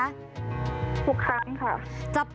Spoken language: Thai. ทุกครั้งค่ะ